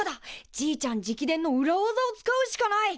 じいちゃん直伝の裏わざを使うしかない！